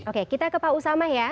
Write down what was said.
oke kita ke pak usama ya